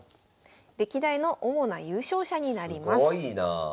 歴代の主な優勝者になります。